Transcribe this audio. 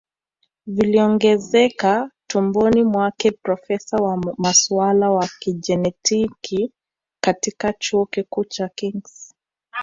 viliongezeka tumboni mwake Profesa wa masuala ya kijenetiki katika chuo kikuu cha Kings